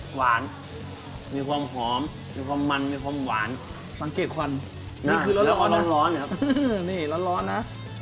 หวานมีความหอมมีความมันมีความหวานสังเกตควันนี่คือร้อนร้อนอ่ะร้อนร้อนอ่ะนี่ร้อนร้อนอ่ะ